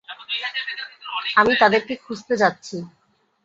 আমি তাদেরকে খুজতে যাচ্ছি।